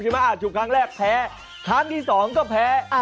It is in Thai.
ใช่ไหมอ่ะฉุบครั้งแรกแพ้ครั้งที่สองก็แพ้